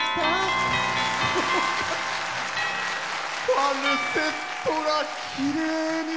ファルセットがきれいに。